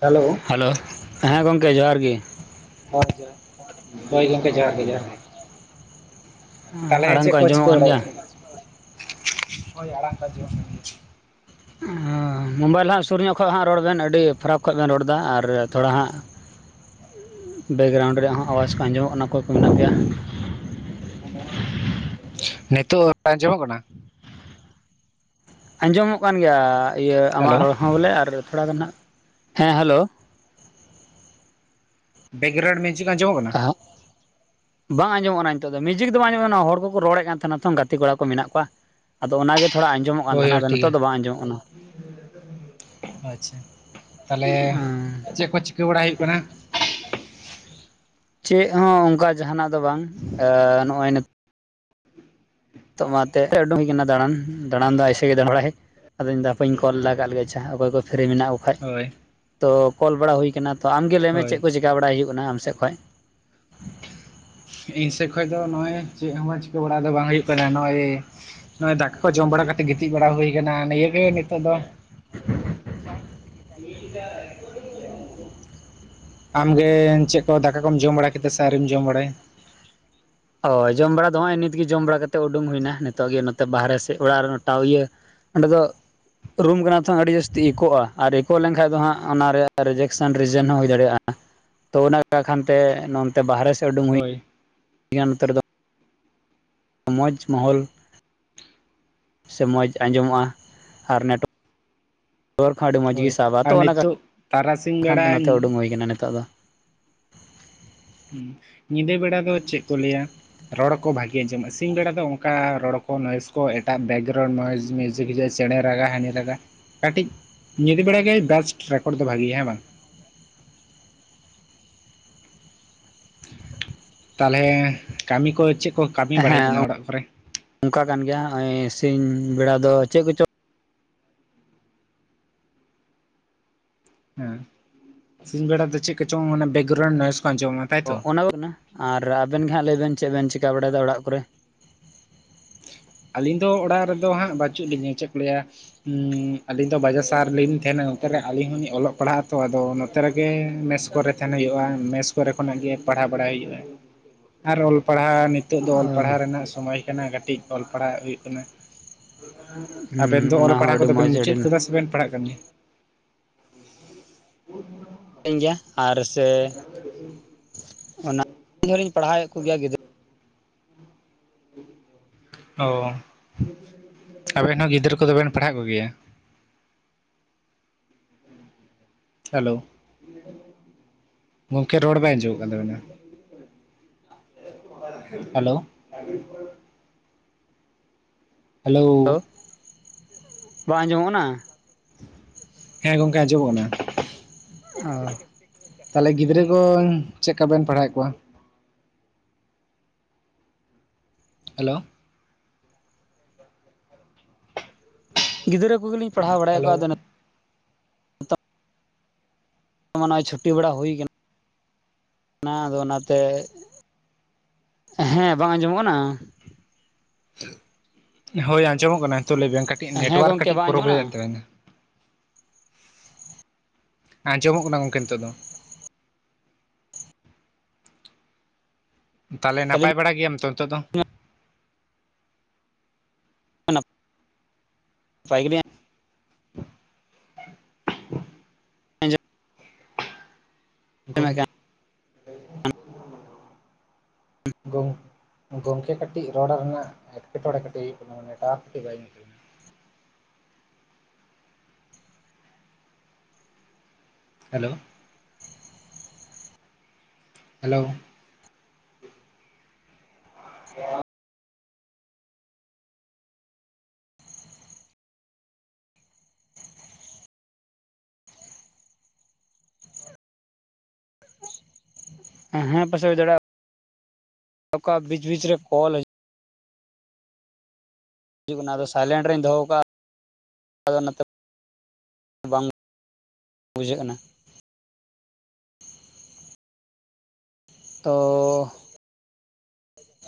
Hello. Hello ᱦᱮᱸ ᱜᱚᱝᱠᱮ ᱡᱚᱦᱟᱨ ᱜᱮ᱾ [inaudible] ᱦᱚᱭ ᱜᱚᱝᱠᱮ ᱡᱚᱦᱟᱨ ᱜᱮ ᱡᱚᱦᱟᱨ ᱜᱮ᱾ ᱛᱟᱞᱦᱮ ᱟᱲᱟᱝ ᱪᱮᱫ ᱠᱚ ᱟᱸᱡᱚᱢᱚᱜ ᱪᱤᱠᱟᱹ ᱠᱟᱱ ᱵᱟᱲᱟ ᱜᱮᱭᱟ [unintelligible] [unintelligible] ᱢᱚᱵᱟᱭᱤᱞ ᱦᱟᱸᱜ ᱥᱩᱨ ᱧᱚᱜ ᱠᱷᱚᱡ ᱦᱟᱸᱜ ᱨᱚᱲ ᱵᱤᱱ ᱟᱹᱰᱤ ᱯᱷᱟᱨᱟᱠ ᱠᱷᱚᱱ ᱵᱤᱱ ᱨᱚᱲᱫᱟ ᱟᱨ ᱛᱷᱚᱲᱟ ᱦᱟᱸᱜ ᱵᱮᱜᱨᱟᱣᱩᱱᱰ ᱨᱮᱭᱟᱜ ᱦᱚᱸ ᱟᱣᱟᱡᱽ ᱠᱚ ᱟᱸᱡᱚᱢᱚᱜ ᱠᱟᱱᱟ ᱚᱠᱚᱭ ᱠᱚ ᱢᱮᱱᱟᱜ ᱯᱮᱭᱟ? ᱱᱤᱛᱚᱜ ᱟᱸᱡᱚᱢᱚᱜ ᱠᱟᱱᱟ? ᱟᱸᱡᱚᱢᱚᱜ ᱠᱟᱱ ᱜᱮᱭᱟ ᱤᱭᱟᱹ ᱟᱢᱟᱜ ᱦᱮᱞᱳ ᱨᱚᱲ ᱦᱚᱸ ᱵᱚᱞᱮ ᱟᱨ ᱛᱷᱚᱲᱟ ᱜᱟᱱ ᱦᱟᱸᱜ ᱦᱮᱸ ᱦᱮᱞᱚ᱾ ᱵᱮᱠᱜᱨᱟᱣᱩᱱᱰ ᱢᱤᱡᱤᱠ ᱟᱸᱡᱚᱢᱚᱜ ᱠᱟᱱᱟ? ᱟ ᱵᱟᱝ ᱟᱸᱡᱚᱢᱚᱜ ᱠᱟᱱᱟ ᱱᱤᱛᱚᱜ ᱫᱚ ᱢᱤᱡᱤᱠ ᱫᱚ ᱵᱟᱝ ᱟᱸᱡᱚᱢᱚᱜ ᱠᱟᱱᱟ ᱦᱚᱲ ᱠᱚᱠᱚ ᱨᱚᱲᱮᱫ ᱠᱟᱱ ᱛᱟᱦᱮᱱᱟ ᱛᱚ ᱜᱟᱛᱮ ᱠᱚᱲᱟ ᱠᱚ ᱢᱮᱱᱟᱜ ᱠᱚᱣᱟ᱾ ᱟᱫᱚ ᱚᱱᱟᱜᱮ ᱛᱷᱚᱲᱟ ᱟᱸᱡᱚᱢᱚᱜ ᱠᱟᱱ ᱦᱳᱭ ᱛᱟᱦᱮᱱᱟ ᱦᱳᱭ ᱟᱫᱚ ᱴᱷᱤᱠ ᱱᱤᱛᱚᱜ ᱜᱮᱭᱟ ᱫᱚ ᱵᱟᱝ ᱟᱸᱡᱚᱢᱚᱜ ᱠᱟᱱᱟ᱾ ᱟᱪᱪᱷᱟ ᱛᱟᱞᱦᱮ ᱪᱮᱫ ᱠᱚ ᱪᱤᱠᱟᱹ ᱵᱟᱲᱟ ᱦᱩᱭᱩᱜ ᱠᱟᱱᱟ? ᱪᱮᱫ ᱦᱚᱸ ᱚᱱᱠᱟ ᱡᱟᱸᱦᱟᱱᱟᱜ ᱫᱚ ᱵᱟᱝ ᱱᱚᱜᱼᱚᱭ ᱱᱤᱛ ᱛᱚ ᱚᱱᱟᱛᱮ ᱚᱰᱚᱠ ᱦᱩᱭ ᱟᱠᱟᱱᱟ ᱫᱟᱬᱟᱱ᱾ ᱫᱟᱬᱟᱱ ᱫᱚ ᱮᱥᱮ ᱜᱮ ᱫᱟᱬᱲᱟ ᱵᱟᱸᱲᱟ ᱦᱮᱡ ᱟᱫᱚ ᱤᱧ ᱦᱟᱯᱤᱹᱧ ᱠᱚᱞ ᱞᱟᱜᱟ ᱞᱮᱜᱮ ᱪᱮ ᱚᱠᱚᱜ ᱚᱠᱚᱭ ᱠᱚ ᱯᱷᱨᱤ ᱢᱮᱱᱟᱜ ᱦᱳᱭ ᱛᱚ ᱠᱚᱞ ᱵᱟᱲᱟ ᱦᱩᱭ ᱟᱠᱟᱱᱟ ᱾ ᱛᱚ ᱟᱢᱜᱮ ᱞᱟᱹᱭᱢᱮ ᱦᱳᱭ ᱪᱮᱫ ᱠᱚ ᱪᱮᱠᱟ ᱵᱟᱲᱟ ᱦᱩᱭᱩᱜ ᱠᱟᱱᱟ ᱟᱢ ᱥᱮᱫ ᱠᱷᱚᱡ᱾ ᱤᱧ ᱥᱮᱫ ᱠᱷᱚᱱ ᱫᱚ ᱱᱚᱜᱼᱚᱭ ᱪᱮᱫ ᱦᱚᱸ ᱵᱟᱝ ᱪᱤᱠᱟᱹ ᱵᱟᱲᱟ ᱫᱚ ᱵᱟᱝ ᱦᱩᱭᱩᱜ ᱠᱟᱱᱟ ᱱᱚᱜᱼᱚᱭ ᱱᱚᱜᱚᱭ ᱫᱟᱠᱟ ᱠᱚ ᱡᱚᱢ ᱵᱟᱲᱟ ᱠᱟᱛᱮᱜ ᱜᱤᱛᱤᱡ ᱵᱟᱲᱟ ᱦᱩᱭ ᱟᱠᱟᱱᱟ ᱱᱤᱭᱟᱹ ᱜᱮ ᱱᱤᱛᱚᱜ ᱫᱚ᱾ [inaudible] ᱟᱢᱜᱮ ᱪᱮᱫ ᱠᱚ ᱫᱟᱠᱟ ᱠᱚᱢ ᱡᱚᱢ ᱵᱟᱲᱟ ᱠᱮᱫᱟ ᱥᱮ ᱟᱹᱣᱨᱤᱢ ᱡᱚᱢ ᱵᱟᱲᱟᱭᱟ? ᱦᱚᱭ ᱡᱚᱢ ᱵᱟᱲᱟ ᱫᱚ ᱱᱚᱜᱼᱚᱭ ᱱᱤᱛᱜᱮ ᱡᱚᱢ ᱵᱟᱲᱟ ᱠᱟᱛᱮᱫ ᱩᱰᱩᱝ ᱦᱩᱭ ᱮᱱᱟ ᱱᱤᱛᱚᱜ ᱜᱮ ᱱᱚᱛᱮ ᱵᱟᱦᱨᱮ ᱥᱮᱫ ᱚᱲᱟᱜ ᱨᱮᱦᱚᱸ ᱢᱟ ᱤᱭᱟᱹ ᱚᱸᱰᱮ ᱫᱚ ᱨᱩᱢ ᱠᱟᱱᱟ ᱛᱚ ᱟᱹᱰᱤ ᱡᱟᱹᱥᱛᱤ ᱤᱠᱚᱜᱼᱟ ᱟᱨ ᱤᱠᱚᱼᱜ ᱞᱮᱱᱠᱷᱟᱱ ᱫᱚ ᱦᱟᱸᱜ ᱚᱱᱟ ᱨᱮᱭᱟᱜ ᱨᱮᱡᱮᱠᱥᱟ. ᱱ ᱨᱤᱡᱮᱱ ᱦᱚᱸ ᱦᱩᱭ ᱫᱟᱲᱮᱭᱟᱜᱼᱟ᱾ ᱛᱚ ᱚᱱᱟ ᱠᱷᱟᱱᱛᱮ ᱱᱚᱱᱛᱮ ᱵᱟᱨᱦᱮ ᱥᱮᱫ ᱩᱰᱩᱠ ᱦᱚᱭ᱾ ᱱᱚᱛᱮ ᱨᱮᱫᱚ ᱢᱚᱡᱽ ᱢᱚᱦᱚᱞ ᱥᱮ ᱢᱚᱸᱡᱽ ᱟᱸᱡᱚᱢᱚᱜᱼᱟ ᱟᱨ ᱱᱮᱴ ᱫᱩᱣᱟᱹᱨ ᱠᱚ ᱟᱹᱰᱤ ᱢᱚᱡᱽ ᱦᱳᱭ ᱜᱮ ᱥᱟᱵᱟ ᱛᱚ ᱟᱨ ᱚᱱᱟ ᱱᱤᱛᱚᱜ ᱛᱟᱨᱟᱥᱤᱧ ᱵᱟᱠᱷᱟᱱ ᱵᱮᱲᱟ ᱱᱚᱛᱮ ᱩᱰᱩᱝ ᱦᱩᱭ ᱟᱠᱟᱱᱟ ᱱᱤᱛᱚᱜ ᱫᱚ᱾ ᱦᱩ ᱧᱤᱫᱟᱹ ᱵᱮᱲᱟ ᱫᱚ ᱪᱮᱫ ᱠᱚ ᱞᱟᱹᱭᱟ ᱨᱚᱲ ᱠᱚ ᱵᱷᱟᱜᱮ ᱟᱸᱡᱚᱢᱚᱜᱼᱟ ᱥᱤᱧ ᱵᱮᱲᱟ ᱫᱚ ᱚᱱᱠᱟ ᱨᱚᱲ ᱠᱚ ᱱᱚᱭᱮᱡᱽ ᱠᱚ ᱮᱴᱟᱜ ᱵᱮᱠᱜᱨᱟᱣᱩᱱᱰ ᱱᱚᱭᱮᱥ ᱢᱤᱭᱩᱡᱤᱠ ᱪᱮᱬᱮ ᱨᱟᱜᱟ ᱦᱟᱱᱤ ᱨᱟᱜᱟ ᱠᱟᱹᱴᱤᱡ ᱧᱤᱫᱟ. ᱵᱮᱲᱟ ᱜᱮ ᱵᱮᱥᱴ ᱨᱮᱠᱚᱨᱰ ᱫᱚ ᱵᱷᱟᱜᱮᱜᱼᱟ᱾ ᱦᱮᱸ ᱵᱟᱝ? ᱛᱟᱦᱚᱞᱮ ᱠᱟᱹᱢᱤ ᱠᱚ ᱪᱮᱫ ᱠᱚ ᱠᱟᱹᱢᱤ ᱵᱟᱲᱟ ᱦᱩᱭᱩᱜ ᱦᱮᱸ ᱠᱟᱱᱟ ᱚᱲᱟᱜ ᱠᱚᱨᱮ? ᱚᱱᱠᱟ ᱠᱟᱱ ᱜᱮᱭᱟ ᱱᱚᱜᱼᱚᱭ ᱥᱤᱧ ᱵᱮᱲᱟ ᱫᱚ ᱪᱮᱫ ᱠᱚᱪᱚᱝ ᱦᱮᱸ, ᱥᱤᱧ ᱵᱮᱲᱟ ᱫᱚ ᱪᱮᱫ ᱠᱚ ᱪᱚᱝ ᱵᱮᱠᱜᱨᱟᱣᱩᱱ ᱱᱚᱭᱮᱡᱽ ᱠᱚ ᱟᱸᱡᱚᱢᱟ ᱛᱚ ᱚᱱᱟ ᱠᱟᱱᱟ, ᱟᱨ ᱟᱵᱮᱱ ᱜᱮ ᱦᱟᱸᱜ ᱞᱟᱹᱭ ᱵᱮᱱ ᱪᱮᱫ ᱵᱮᱱ ᱪᱤᱠᱟᱹ ᱵᱟᱲᱟᱭᱮᱫᱟ ᱚᱲᱟᱜ ᱠᱚᱨᱮ? ᱟᱹᱞᱤᱧ ᱫᱚ ᱚᱲᱟᱜ ᱨᱮᱫᱚ ᱦᱟᱸᱜ ᱵᱟᱹᱪᱩᱜ ᱞᱤᱧᱟ᱾ ᱪᱮᱫ ᱠᱚ ᱞᱟᱹᱭᱟ ᱦᱩᱸ ᱟᱹᱞᱤᱧ ᱫᱚ ᱵᱟᱡᱟᱨ ᱥᱟᱦᱟᱨ ᱞᱤᱧ ᱛᱟᱦᱮᱱᱟ ᱱᱚᱛᱮ ᱨᱮ ᱟᱹᱞᱤᱧ ᱦᱚᱸᱞᱤᱧ ᱚᱞᱚᱜ ᱯᱟᱲᱦᱟᱜ ᱟᱛᱚ ᱟᱫᱚ ᱱᱚᱛᱮ ᱨᱮᱜᱮ ᱢᱮᱫ ᱥ ᱠᱚᱨᱮ ᱛᱟᱦᱮᱱ ᱦᱩᱭᱩᱜᱼᱟ ᱢᱮᱥ ᱠᱚᱨᱮ ᱠᱷᱚᱱᱟᱜ ᱜᱮ ᱯᱟᱲᱦᱟᱣ ᱵᱟᱲᱟᱭ ᱦᱩᱭᱩᱜᱼᱟ, ᱟᱨ ᱚᱞ ᱯᱟᱲᱦᱟᱣ ᱱᱤᱛ ᱱᱤᱛᱚᱜ ᱫᱚ ᱚᱞ ᱯᱟᱲᱦᱟᱣ ᱨᱮᱱᱟᱜ ᱥᱚᱢᱚᱭ ᱠᱟᱱᱟ ᱠᱟᱹᱴᱤᱡ ᱚᱞ ᱯᱟᱲᱦᱟᱜ ᱦᱩᱭᱩᱜ ᱠᱟᱱᱟ᱾ ᱟᱵᱮᱱ ᱦᱩᱸ ᱫᱚ ᱚᱞ ᱚᱱᱟ ᱦᱚᱸ ᱯᱟᱲᱦᱟᱣ ᱟᱹᱰᱤ ᱠᱚᱫᱚ ᱵᱮᱱ ᱢᱚᱡᱽ ᱟᱹᱰᱤ ᱢᱩᱪᱟᱹᱫ ᱠᱟᱫᱟ ᱥᱮᱵᱮᱱ ᱯᱟᱲᱦᱟᱜ ᱠᱟᱱ ᱜᱮᱭᱟ? ᱜᱮᱭᱟ ᱟᱨ ᱥᱮ ᱚᱱᱟᱧ ᱫᱷᱚᱨᱤᱧ ᱯᱟᱲᱦᱟᱣᱮᱫ ᱠᱚᱜᱮᱭᱟ ᱜᱤᱫᱽᱨᱟᱹ ᱚ ᱟᱵᱮᱱ ᱦᱚᱸ ᱜᱤᱫᱽᱨᱟᱹ ᱠᱚᱫᱚ ᱵᱮᱱ ᱯᱟᱲᱦᱟᱜ ᱠᱚᱜᱮᱭᱟ? ᱦᱮᱞᱳ, ᱜᱚᱢᱠᱮ ᱨᱚᱲ ᱵᱟᱭ ᱟᱸᱡᱚᱢᱚᱜ ᱠᱟᱱ ᱛᱟᱵᱮᱱᱟ᱾ ᱦᱮᱞᱳ [unintelligible] ᱠᱚ ᱦᱮᱞᱳ ᱵᱟᱝ ᱟᱸᱡᱚᱢᱚᱜ ᱠᱟᱱᱟ? ᱦᱮᱸ ᱜᱚᱝᱠᱮ ᱟᱸᱡᱚᱢᱚᱜᱱᱟ ᱚ ᱛᱟᱦᱚᱞᱮ ᱜᱤᱫᱽᱨᱟᱹ ᱠᱚ ᱪᱮᱫ ᱞᱮᱠᱟ ᱵᱮᱱ ᱯᱟᱲᱦᱟᱣᱮᱫ ᱠᱚᱣᱟ? ᱦᱮᱞᱳ ᱜᱤᱫᱽᱨᱟᱹ ᱠᱚᱜᱮᱞᱤᱧ ᱯᱟᱲᱦᱟᱣ ᱵᱟᱲᱟᱭᱮᱫ ᱦᱮᱞᱳ ᱠᱚᱣᱟ ᱟᱫᱚ ᱱᱤᱛᱚᱜ ᱱᱚᱜᱼᱚᱭ ᱪᱷᱩᱴᱤ ᱵᱟᱲᱟ ᱦᱩᱭᱠᱟᱱᱟ ᱟᱫᱚ ᱚᱱᱟᱛᱮ ᱦᱮᱸ ᱵᱟᱝ ᱟᱸᱡᱚᱢᱚᱜ ᱠᱟᱱᱟ ᱦᱳᱭ ᱟᱸᱡᱚᱢᱚᱜ ᱠᱟᱱᱟ ᱱᱤᱛᱳ ᱞᱟᱹᱭ ᱵᱮᱱ ᱠᱟᱹᱴᱤᱡ ᱦᱮᱸ ᱱᱮᱴᱣᱟᱨᱠ ᱜᱚᱝᱠᱮ ᱠᱟᱹᱴᱤᱡ ᱵᱟᱝ ᱟᱸᱡᱚᱢᱚᱜ ᱯᱨᱚᱵᱞᱮᱢ ᱠᱟᱱᱟ? ᱮᱫ ᱛᱟᱵᱤᱱᱟ ᱟᱸᱡᱚᱢᱚᱜ ᱠᱟᱱᱟ ᱜᱚᱝᱠᱮ ᱱᱤᱛᱚᱜ ᱫᱚ ᱛᱟᱦᱚᱞᱮ ᱱᱟᱯᱟᱭ ᱟᱹᱞᱤᱧ ᱵᱟᱲᱟ ᱜᱮᱭᱟᱢ ᱛᱚ ᱱᱤᱛᱚᱜ ᱫᱚ? ᱱᱟᱯᱟᱭ ᱜᱮ ᱟᱸᱡᱚᱢᱮᱫ ᱜᱚᱝ [inaudible] ᱜᱚᱝ ᱜᱚᱢᱠᱮ ᱠᱟᱹᱴᱤᱡ ᱨᱚᱲ ᱨᱮᱱᱟᱜ ᱮᱴᱠᱮᱴᱚᱬᱮ ᱠᱟᱹᱴᱤᱡ ᱦᱩᱭᱩᱜ ᱠᱟᱱᱟ᱾ ᱱᱮᱴᱚᱣᱟᱨᱠ ᱠᱟᱹᱴᱤᱡ ᱵᱟᱭ ᱧᱟᱢᱮᱫᱟ ᱦᱮᱞᱳ ᱦᱮᱞᱳ [inaudible] ᱦᱮᱸ ᱯᱟᱥᱮ ᱦᱩᱭ ᱫᱟᱲᱮᱭᱟᱜ [inaudible] ᱚᱠᱟ ᱵᱤᱪ ᱵᱤᱪ ᱨᱮ ᱠᱚᱞ ᱦᱤᱡᱩ ᱠᱟᱱᱟ ᱟᱫᱚ ᱥᱟᱭᱞᱮᱱᱴ ᱨᱮᱧ ᱫᱚᱦᱚ ᱠᱟᱜᱼᱟ ᱟᱫᱚ ᱱᱚᱛ ᱵᱟᱝ ᱵᱩᱡᱷᱟᱹᱜ ᱠᱟᱱᱟ ᱛᱚ